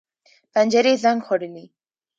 پنجرې زنګ خوړلي